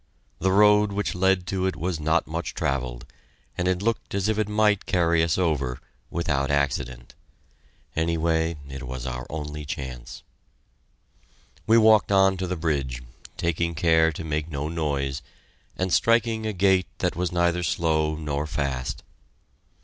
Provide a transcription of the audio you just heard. The road which led to it was not much travelled, and it looked as if it might carry us over without accident. Anyway, it was our only chance. We walked on to the bridge, taking care to make no noise, and striking a gait that was neither slow nor fast.